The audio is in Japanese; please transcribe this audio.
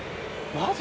マジ？